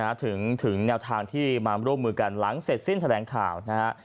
ถึงถึงแนวทางที่มาร่วมมือกันหลังเสร็จสิ้นแถลงข่าวนะฮะ